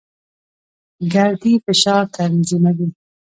ګردې فشار تنظیموي.